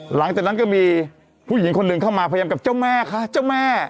หลังจากนั้นก็มีผู้หญิงคนหนึ่งเข้ามาพยายามกับเจ้าแม่คะเจ้าแม่